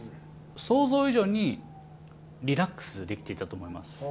想像以上にリラックスできていたと思います。